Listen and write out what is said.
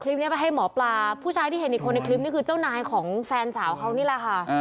ไปให้หมอปลาผู้ชายที่เห็นอีกคนในคลิปนี้คือเจ้านายของแฟนสาวเขานี่แหละค่ะ